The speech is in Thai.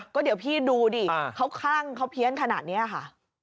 ก็เดี๋ยวพี่ดูดิเขาคั่งเขาเพี้ยนขนาดนี้ค่ะ